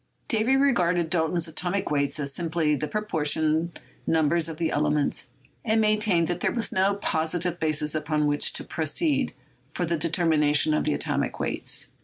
Davy regarded Dalton's atomic weights as simply the proportion numbers of the elements, and maintained that there was no positive basis upon which to proceed for the determination of the atomic weights.